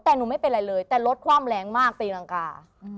แต่หนูไม่เป็นไรเลยแต่รถคว่ำแรงมากตีรังกา